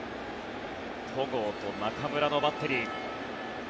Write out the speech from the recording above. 戸郷と中村のバッテリー。